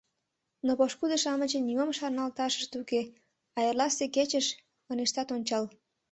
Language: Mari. Но пошкудо-шамычын нимом шарналташышт уке, а эрласе кечыш ынештат ончал.